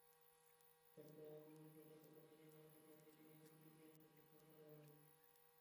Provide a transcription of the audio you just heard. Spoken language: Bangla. ব্যবসায়ী এনামুলকে গতকাল শনিবার রাতে গাজীপুরে টঙ্গীর তুরাগ থেকে গ্রেপ্তার করা হয়।